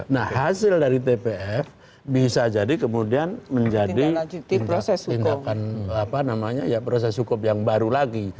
nah hasil dari tpf bisa jadi kemudian menjadi tindakan proses hukum yang baru lagi